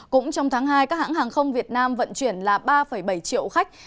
cũng trong tháng hai các hãng hàng không việt nam vận chuyển là ba bảy triệu khách